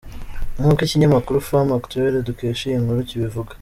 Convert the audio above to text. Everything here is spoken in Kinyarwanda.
Nk’uko ikinyamakuru Femme Actuelle dukesha iyi nkuru kibivuga, .